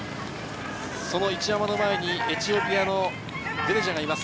一山の前にエチオピアのデレッジェがいます。